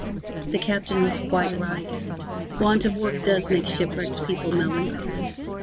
The Captain was quite right. Want of work does make shipwrecked people melancholy.